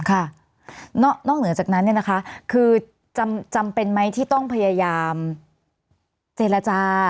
ค่ะนอกเหนือจากนั้นเนี่ยนะคะคือจำเป็นไหมที่ต้องพยายามเจรจา